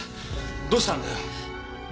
どうしたんだよ！？